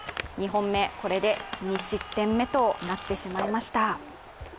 ２本目、これで２失点目となってしまいました。